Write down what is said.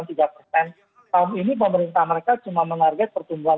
tahun ini pemerintah mereka cuma menarget pertumbuhan